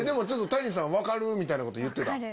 ちょっと谷さん、分かるみたいなこと言ってた。